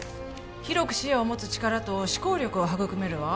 広く視野を持つ力と思考力を育めるわ